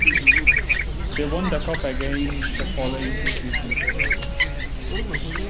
They won the cup again the following two seasons.